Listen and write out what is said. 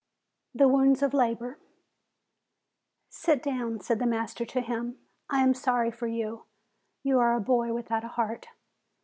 THE WOUNDS OF LABOR 125 "Sit down," said the master to him. "I am sorry for you. You are a boy without a heart."